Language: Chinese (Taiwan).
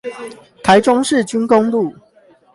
台中市軍功路